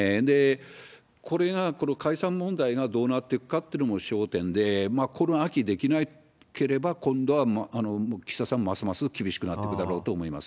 これが、この解散問題がどうなっていくかっていうのも焦点で、この秋できなければ、今度は岸田さん、ますます厳しくなってくるだろうと思います。